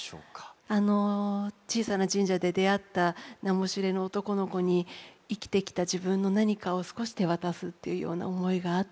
あの小さな神社で出会った名も知れぬ男の子に生きてきた自分の何かを少し手渡すというような思いがあって。